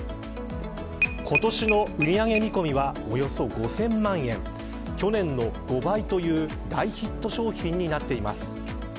今年の売り上げ見込みはおよそ５０００万円去年の５倍という大ヒット商品になっています。